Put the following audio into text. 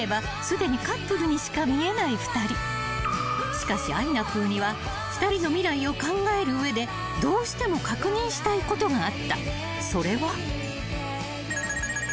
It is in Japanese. ［しかしあいなぷぅには２人の未来を考える上でどうしても確認したいことがあった］